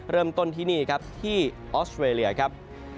เริ่มต้นที่นี่ครับที่ออสเตรเลียครับ